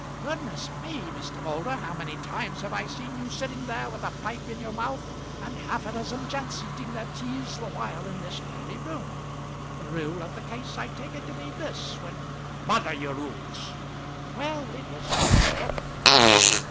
"Goodness me, Mr. Moulder, how many times have I seen you sitting there with a pipe in your mouth, and half a dozen gents eating their teas the while in this very room? The rule of the case I take it to be this; when " "Bother your rules." "Well; it was you spoke of them."